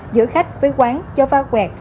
giữa khách với quán cho va quẹt